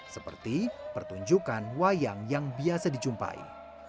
seperti pertunjukan wayang yang biasa dijumpai